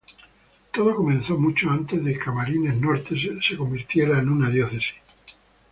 Todo comenzó mucho antes de Camarines Norte se convirtiera en una diócesis.